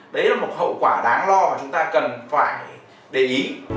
đấy là một hậu quả đáng lo mà chúng ta cần phải để ý